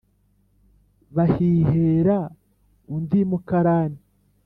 Bahihera undi mukarane.